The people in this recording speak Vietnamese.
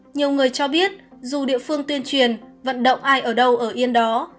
nhiều người cho biết dù địa phương tuyên truyền vận động ai ở đâu ở yên đó